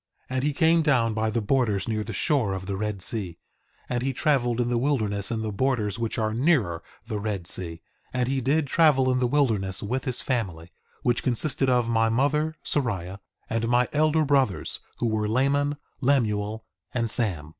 2:5 And he came down by the borders near the shore of the Red Sea; and he traveled in the wilderness in the borders which are nearer the Red Sea; and he did travel in the wilderness with his family, which consisted of my mother, Sariah, and my elder brothers, who were Laman, Lemuel, and Sam.